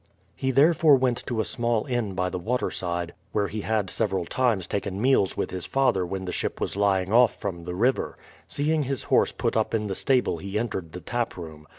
He therefore went to a small inn by the waterside, where he had several times taken meals with his father when the ship was lying off from the river. Seeing his horse put up in the stable he entered the tap room.